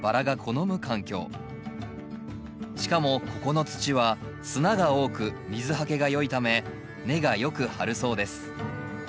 しかもここの土は砂が多く水はけがよいため根がよく張るそうです